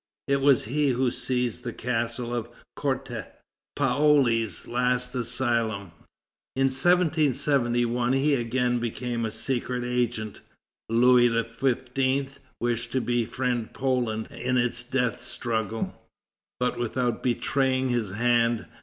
It was he who seized the castle of Corte, Paoli's last asylum. In 1771, he again became a secret agent. Louis XV. wished to befriend Poland in its death struggle, but without betraying his hand.